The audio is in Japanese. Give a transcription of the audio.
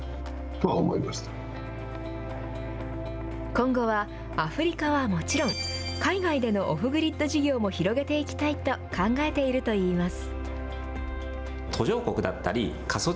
今後はアフリカはもちろん、海外でのオフグリッド事業も広げていきたいと考えているといいます。